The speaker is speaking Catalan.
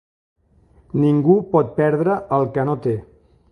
Ningú pot perdre el que no té.